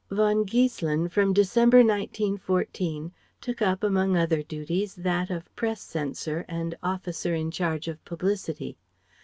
Von Giesselin, from December, 1914, took up among other duties that of Press Censor and officer in charge of Publicity.